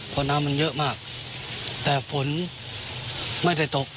เพราะน้ำมันเยอะมากแต่ฝนไม่ได้ตก